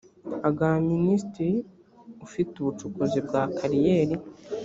agaha minisitiri ufite ubucukuzi bwa kariyeri